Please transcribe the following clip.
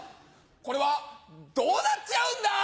これはどうなっちゃうんだ？